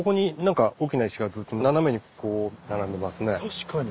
確かに。